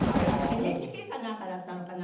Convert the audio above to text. ＮＨＫかなんかだったのかな？